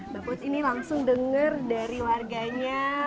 mbak put ini langsung dengar dari warganya